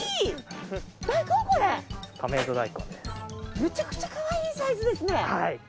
むちゃくちゃかわいいサイズですね。